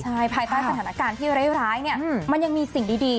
ใช่ภายใต้สถานการณ์ที่ร้ายเนี่ยมันยังมีสิ่งดี